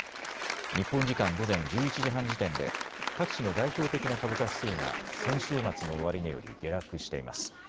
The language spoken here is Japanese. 日本時間午前１１時半時点で各地の代表的な株価指数が先週末の終値より下落しています。